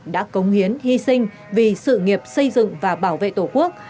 đã cống hiến hy sinh vì sự nghiệp xây dựng và bảo vệ tổ quốc